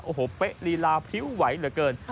โอ้โหเป๊ะลีลาพริ้วไหวเหลือเกิน